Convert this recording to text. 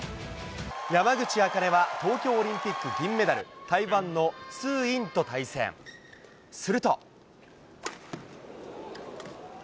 山口茜は、東京オリンピック銀メダル、台湾のツーインと対戦。すると。